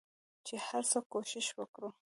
چې هرڅه کوښښ وکړ